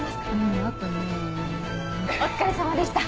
お疲れさまでした。